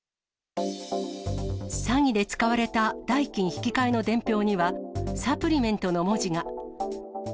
詐欺で使われた代金引き換えの伝票には、サプリメントの文字が。